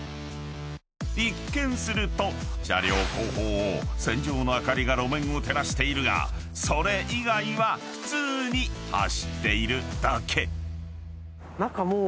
［一見すると車両後方を線状の灯りが路面を照らしているがそれ以外は普通に走っているだけ］